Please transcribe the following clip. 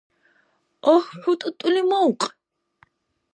Агь, хӀу тӀутӀули мавкь!